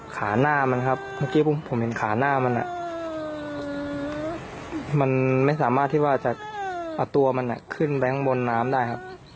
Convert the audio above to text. ขาหน้ามันครับเมื่อกี้ผมเห็นขาหน้ามันมันไม่สามารถที่ว่าจะเอาตัวมันขึ้นไปข้างบนน้ำได้ครับ